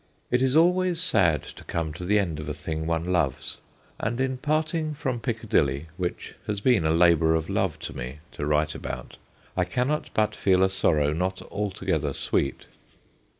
It is always sad to come to the end of a thing one loves, and in parting from Piccadilly, which has been a labour of love to me to write about, I cannot but feel a sorrow not alto gether sweet.